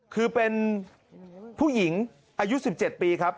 คือเป็นผู้หญิงอายุ๑๗ปีครับ